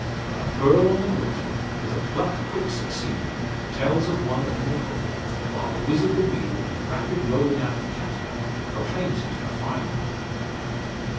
A purl on the water, with a pluck quick succeeding, tells of one on the hook, while the whizz of the wheel and rapid rolling out of catgut proclaims it a fine one.